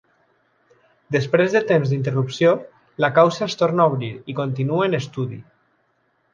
Després de temps d'interrupció, la causa es torna a obrir i continua en estudi.